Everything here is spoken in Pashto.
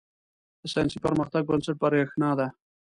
• د ساینسي پرمختګ بنسټ برېښنا ده.